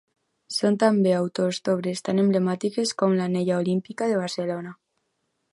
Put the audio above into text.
Són també autors d'obres tan emblemàtiques com l'Anella Olímpica de Barcelona.